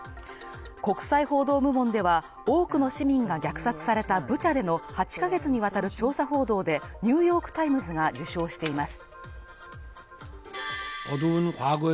国際報道部門では、多くの市民が虐殺されたブチャでの８ヶ月にわたる調査報道で「ニューヨーク・タイムズ」が受賞しています。